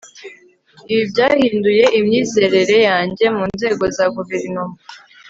ibi byahinduye imyizerere yanjye mu nzego za guverinoma